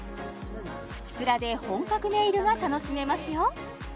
プチプラで本格ネイルが楽しめますよ